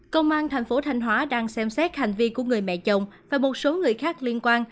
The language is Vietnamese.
công an thành phố thanh hóa đang xem xét hành vi của người mẹ chồng và một số người khác liên quan